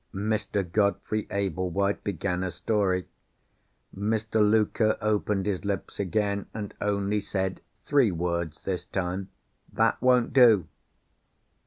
Mr. Godfrey Ablewhite began a story. Mr. Luker opened his lips again, and only said three words, this time. "That won't do!"